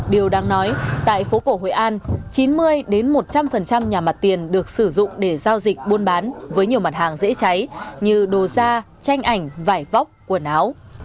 điều đáng nói tại phố cổ hội an chín mươi một trăm linh nhà mặt tiền được sử dụng để giao dịch buôn bán với nhiều mặt hàng dễ cháy như đồ da tranh ảnh vải vóc quần áo